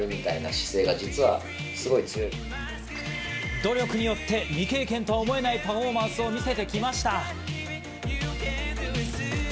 努力によって未経験とは思えないパフォーマンスを見せてきました。